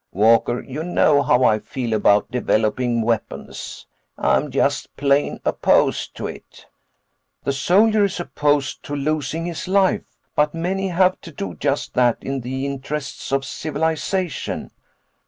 "Walker, you know how I feel about developing weapons. I'm just plain opposed to it." "The soldier is opposed to losing his life, but many have to do just that in the interests of civilization."